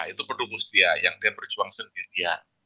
itu pendukung setia yang dia berjuang sendiri ya